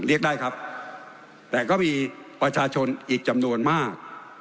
เรียกได้ครับแต่ก็มีประชาชนอีกจำนวนมาก